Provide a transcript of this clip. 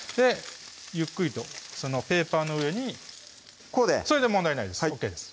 ゆっくりとペーパーの上にこうでそれで問題ないですＯＫです